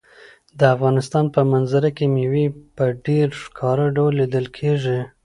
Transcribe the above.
د افغانستان په منظره کې مېوې په ډېر ښکاره ډول لیدل کېږي.